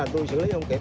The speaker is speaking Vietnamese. tôi xử lý không kịp